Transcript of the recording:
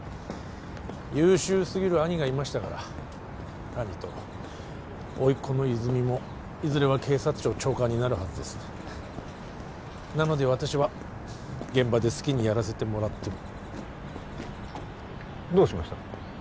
優秀すぎる兄がいましたから兄と甥っ子の泉もいずれは警察庁長官になるはずですなので私は現場で好きにやらせてもらってるどうしました？